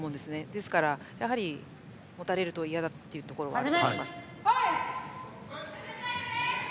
ですから、持たれると嫌だというところはあると思います。